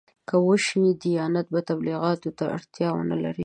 که داسې وشي دیانت به تبلیغاتو ته اړتیا ونه لري.